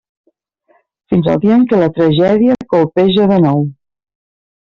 Fins al dia en què la tragèdia colpeja de nou.